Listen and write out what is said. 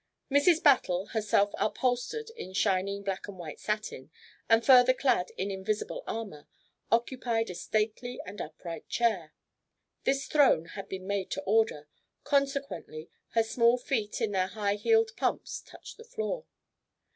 Mrs. Battle, herself upholstered in shining black and white satin, and further clad in invisible armour, occupied a stately and upright chair. This throne had been made to order; consequently her small feet in their high heeled pumps touched the floor.